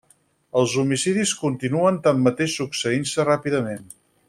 Els homicidis continuen tanmateix succeint-se ràpidament.